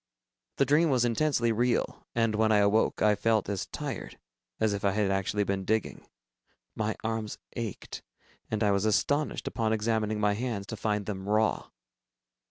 The dream was intensely real, and when I awoke, I felt as tired as if I had actually been digging. My arms ached, and I was astonished, upon examining my hands, to find them raw.